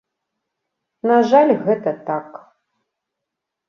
На жаль, гэта так.